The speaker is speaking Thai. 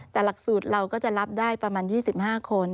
แต่หลักสูตรเราก็จะรับได้ประมาณ๒๕คน